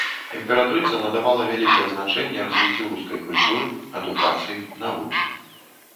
Імператрыца надавала вялікае значэнне развіццю рускай культуры, адукацыі, навукі.